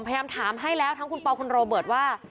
พยายามถามให้แล้วทั้งคุณปอคุณโรเบิร์ตว่า